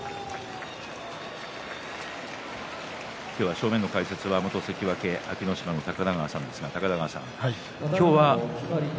正面の解説は元関脇安芸乃島の高田川さんです。